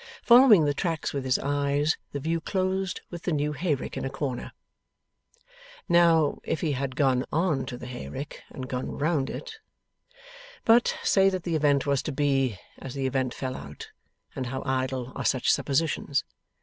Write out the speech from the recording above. Following the tracks with his eyes, the view closed with the new hayrick in a corner. Now, if he had gone on to the hayrick, and gone round it? But, say that the event was to be, as the event fell out, and how idle are such suppositions!